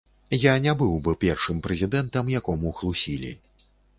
Я не быў бы першым прэзідэнтам, якому хлусілі.